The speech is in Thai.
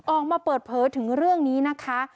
ออกมาเปิดเผยถึงเรื่องนี้นะคะ